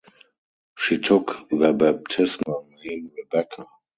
She took the baptismal name "Rebecca".